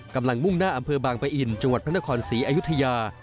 มุ่งหน้าอำเภอบางปะอินจังหวัดพระนครศรีอยุธยา